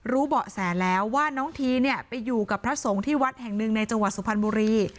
เบาะแสแล้วว่าน้องทีเนี่ยไปอยู่กับพระสงฆ์ที่วัดแห่งหนึ่งในจังหวัดสุพรรณบุรี